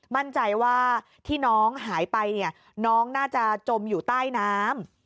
มั่นใจว่าที่น้องหายไปเนี่ยน้องน่าจะจมอยู่ใต้น้ำ